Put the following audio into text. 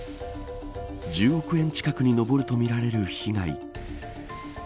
１０億円近くに上るとみられる被害。